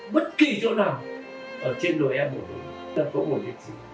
bất kỳ chỗ nào ở trên đội a một là có một nguyện sĩ